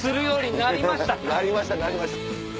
なりましたなりました。